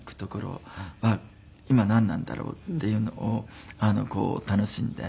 あっ今なんなんだろう？っていうのを楽しんで。